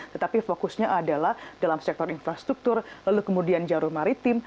tetapi fokusnya adalah dalam sektor infrastruktur lalu kemudian jarum maritim